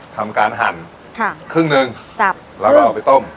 ทำการหั่นครึ่งหนึ่งแล้วก็เอาไปต้ม